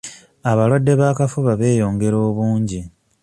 Abalwadde b'akafuba beeyongera obungi.